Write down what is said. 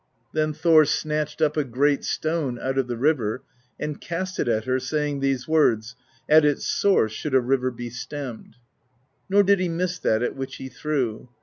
Then Thor snatched up a great stone out of the river and cast it at her, saying these words: ^At its source should a river be stemmed.' Nor did he miss that at which he threw.